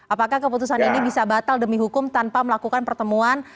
apakah keputusan ini bisa batal demi hukum tanpa melakukan pertemuan